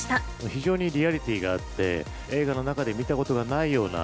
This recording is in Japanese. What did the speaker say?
非常にリアリティーがあって、映画の中で見たことがないような